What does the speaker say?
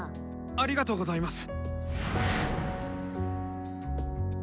ありがとうございます。